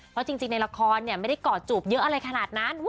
เพราะจริงในละครไม่ได้กอดจูบเยอะอะไรขนาดนั้น